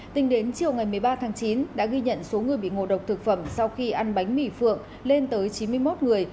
tính đến chiều ngày một mươi ba tháng chín đã ghi nhận số người bị ngộ độc thực phẩm sau khi ăn bánh mì phượng lên tới chín mươi một người